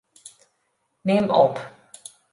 Nim op.